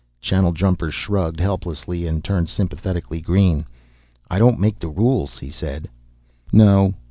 Channeljumper shrugged helplessly and turned sympathetically green. "I don't make the rules," he said. "No.